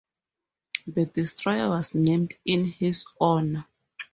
The destroyer was named in his honor.